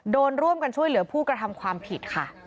โดนร่วมกันช่วยเหลือผู้กระทำความผิดค่ะ